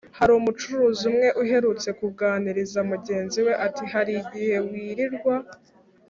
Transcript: hari umucuruzi umwe uherutse kuganiriza mugenzi we ati : “hari igihe wirirwa